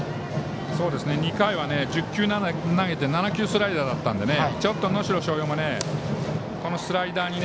２回は１０球投げて７球スライダーだったのでちょっと能代松陽がこのスライダーに